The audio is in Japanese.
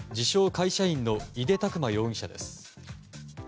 会社員の井手琢磨容疑者です。